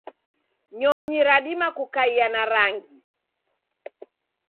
nyonyi radima kukaia na rangi.